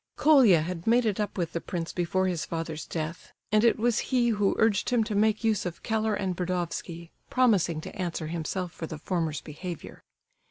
Colia had made it up with the prince before his father's death, and it was he who urged him to make use of Keller and Burdovsky, promising to answer himself for the former's behaviour.